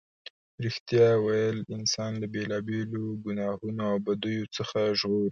رښتیا ویل انسان له بېلا بېلو گناهونو او بدیو څخه ژغوري.